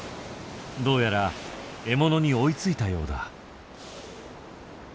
どうやら獲物に追いついたようだ。